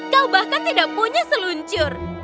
kau bahkan tidak punya seluncur